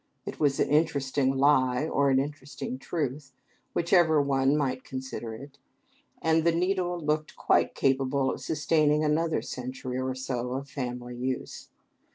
It was an interesting lie or an interesting truth, whichever one might consider it, and the needle looked quite capable of sustaining another century or so of family use.